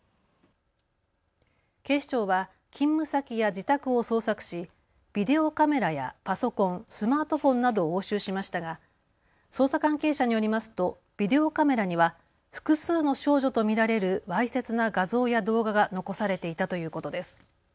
警視庁は勤務先や自宅を捜索しビデオカメラやパソコン、スマートフォンなどを押収しましたが捜査関係者によりますとビデオカメラには複数の少女と見られるわいせつな画像や動画が残されていたということです。